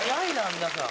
皆さん。